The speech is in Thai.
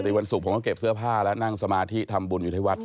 วันศุกร์ผมก็เก็บเสื้อผ้าแล้วนั่งสมาธิทำบุญอยู่ที่วัด